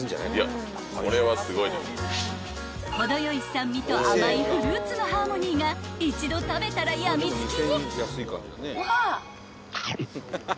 ［程よい酸味と甘いフルーツのハーモニーが一度食べたら病みつきに］